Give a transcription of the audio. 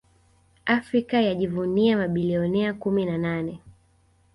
Afrika yajivunia mabilionea kumi na nane